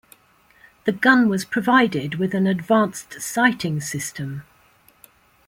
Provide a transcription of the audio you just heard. The gun was provided with an advanced sighting system.